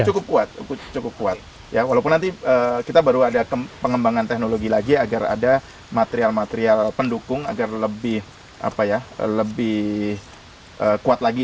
sudah cukup kuat walaupun nanti kita baru ada pengembangan teknologi lagi agar ada material material pendukung agar lebih kuat lagi